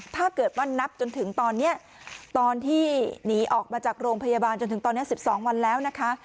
ถ้าเกิดว่านับจนถึงตอนนี้ตอนที่หนีออกมาจากโรงพยาบาลจนถึงตอนนี้๑๒วันแล้วนะคะ